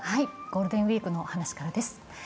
ゴールデンウイークのお話からです。